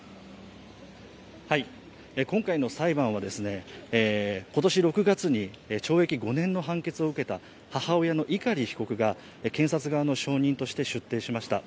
今回の裁判は今年６月に懲役５年の判決を受けた母親の碇被告が検察側の証人として出廷しました。